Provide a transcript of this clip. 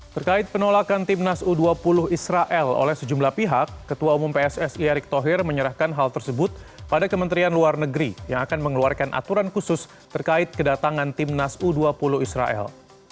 terkait penolakan timnas u dua puluh israel oleh sejumlah pihak ketua umum pssi erick thohir menyerahkan hal tersebut pada kementerian luar negeri yang akan mengeluarkan aturan khusus terkait kedatangan timnas u dua puluh israel